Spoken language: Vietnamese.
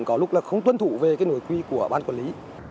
có lúc là không tuân thủ về nối quý của bán quản lý